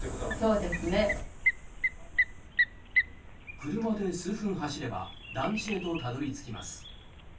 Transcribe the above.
車で数分走れば団地へとたどり着きます。